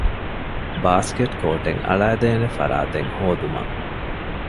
ބާސްކެޓް ކޯޓެއް އަޅައިދޭނެ ފަރާތެއް ހޯދުމަށް